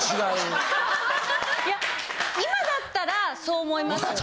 いや今だったらそう思います。